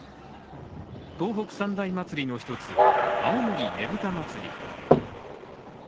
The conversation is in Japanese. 東北三大祭の１つ、青森ねぶた祭。